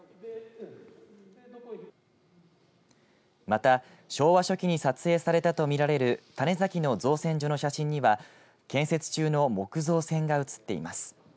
また昭和初期に撮影されたと見られる種崎の造船所の写真には建設中の木造船が写っています。